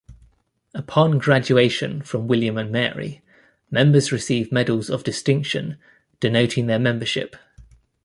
Upon graduation from William and Mary, members receive medals of distinction, denoting their membership.